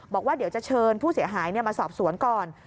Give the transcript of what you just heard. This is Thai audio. บอกว่าเดี๋ยวจะเชิญผู้เสียหายมาสอบสวนก่อน